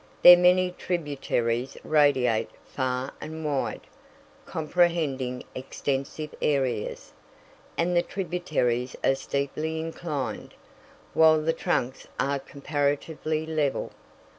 Their many tributaries radiate far and wide, comprehending extensive areas, and the tributaries are steeply inclined, while the trunks are comparatively level.